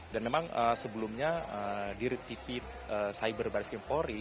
dan memang sebelumnya di retipi cyber baris kempori